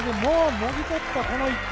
もぎ取った、この１点。